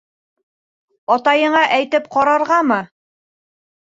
Атайыңа әйтеп ҡарарғамы?